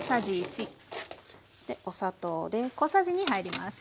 お砂糖です。